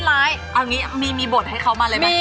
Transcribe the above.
เอาอย่างนี้มีบทให้เขามาเลยไหม